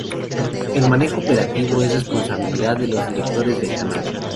El manejo operativo es responsabilidad de los directores del canal.